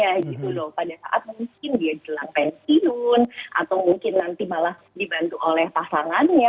pada saat mungkin dia di dalam pensiun atau mungkin nanti malah dibantu oleh pasangannya